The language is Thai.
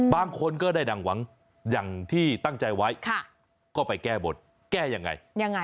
บางคนก็ได้ดังหวังอย่างที่ตั้งใจไว้ก็ไปแก้บนแก้ยังไง